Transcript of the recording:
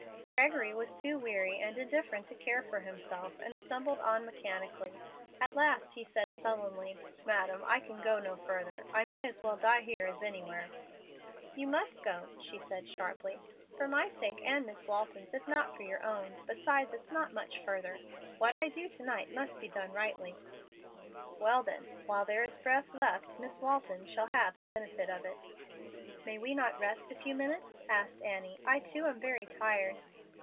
Gregory was too weary and indifferent to care for himself, and stumbled on mechanically. At last he said, sullenly, "Madam, I can go no further. I may as well die here as anywhere." "You must go," she said, sharply; "for my sake and Miss Walton's, if not for your own. Besides, it's not much further. What I do to night must be done rightly." "Well, then, while there is breath left, Miss Walton shall have the benefit of it." "May we not rest a few minutes?" asked Annie. "I too am very tired."